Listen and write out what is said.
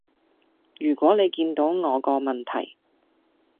如果你見到我個問題